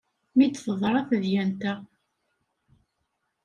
Mi d-teḍra tedyant-a.